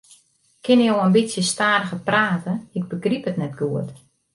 Kinne jo in bytsje stadiger prate, ik begryp it net goed.